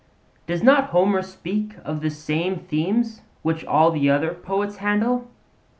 Does not Homer speak of the same themes which all other poets handle?